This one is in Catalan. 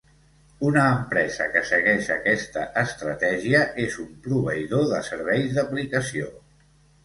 Una empresa que segueix aquesta estratègia és un proveïdor de serveis d'aplicació.